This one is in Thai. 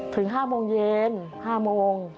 ถึง๕โมงเย็น๕โมง